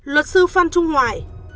luật sư phan trung hoài